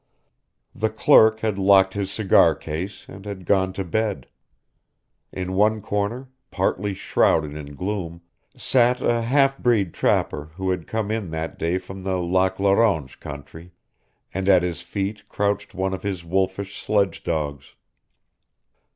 The clerk had locked his cigar case and had gone to bed. In one corner, partly shrouded in gloom, sat a half breed trapper who had come in that day from the Lac la Ronge country, and at his feet crouched one of his wolfish sledge dogs.